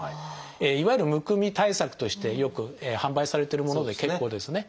いわゆるむくみ対策としてよく販売されてるもので結構ですね。